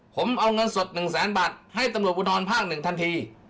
ผมเอาเงินสดหนึ่งแสนบัตรให้ตำรวจบุดนอนภาคหนึ่งทันที